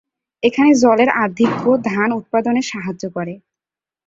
এখানে জলের আধিক্য ধান উৎপাদনে সাহায্য করে।